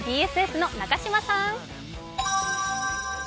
ＢＳＳの中島さん！